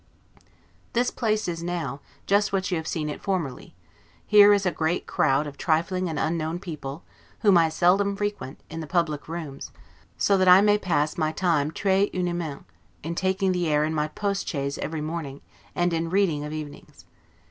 This place is now, just what you have seen it formerly; here is a great crowd of trifling and unknown people, whom I seldom frequent, in the public rooms; so that I may pass my time 'tres uniment', in taking the air in my post chaise every morning, and in reading of evenings.